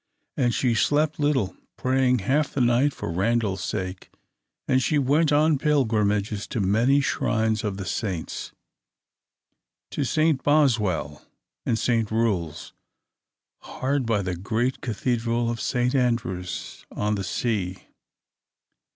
And she slept little, praying half the night for Randal's sake. And she went on pilgrimages to many shrines of the Saints: to St. Boswell and St. Rule's, hard by the great Cathedral of St. Andrew's on the sea.